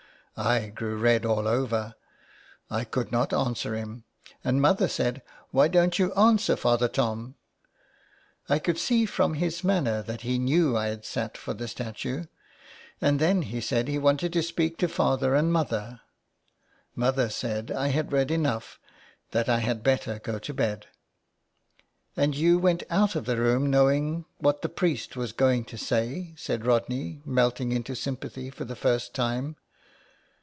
I grew red all over. I could not answer him, and mother said, ' Why don't you answer Father Tom ?' I could see from his manner 20 IN THE CLAY. that he knew I had sat for the statue. And then he said he wanted to speak to father and mother. Mother said I had read enough, that I had better go to bed." " And you went out of the room knowing what the priest was going to say?" said Rodney, melting into sympathy for the first time.